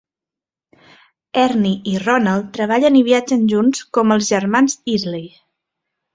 Ernie i Ronald treballen i viatgen junts com els Germans Isley.